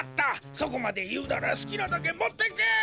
そこまでいうならすきなだけもっていけ！